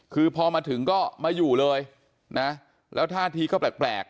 คือพอมาถึงก็มาอยู่เลยนะแล้วท่าทีก็แปลก